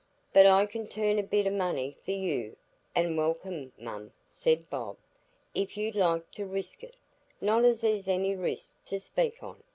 "But I can turn a bit o' money for you, an' welcome, mum," said Bob, "if you'd like to risk it,—not as there's any risk to speak on.